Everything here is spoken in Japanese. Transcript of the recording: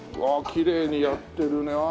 うわきれいにやってるね。